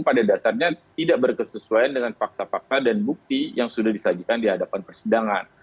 pada dasarnya tidak berkesesuaian dengan fakta fakta dan bukti yang sudah disajikan di hadapan persidangan